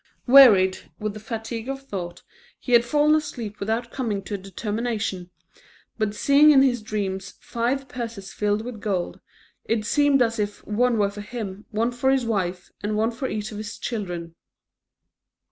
Wearied with the fatigue of thought, he had fallen asleep without coming to a determination; but seeing in his dreams five purses filled with gold, it seemed as if one were for him, one for his wife, and one for each of his children.